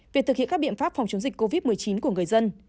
việc thực hiện các biện pháp phòng chống dịch covid một mươi chín của người dân